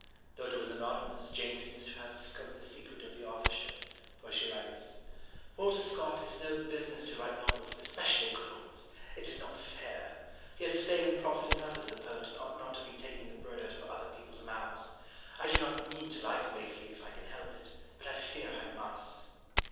Though it was anonymous, Jane seems to have discovered the secret of the authorship, for she writes: "Walter Scott has no business to write novels, especially good ones. It is not fair. He has fame and profit enough as a poet and ought not to be taking the bread out of other people's mouths. I do not mean to like Waverley if I can help it, but I fear I must."